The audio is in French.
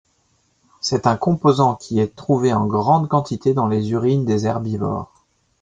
C'est un composant qui est trouvé en grande quantité dans les urines des herbivores.